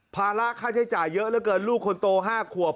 ภาระค่าใช้จ่ายเยอะเหลือเกินลูกคนโต๕ขวบ